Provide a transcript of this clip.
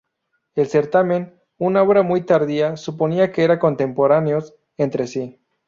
El "Certamen", una obra muy tardía, suponía que eran contemporáneos entre sí.